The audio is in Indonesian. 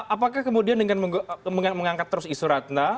apakah kemudian dengan mengangkat terus isu ratna